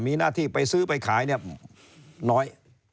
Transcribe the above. มีหน้าที่ไปซื้อไปขายเนี่ยน้อย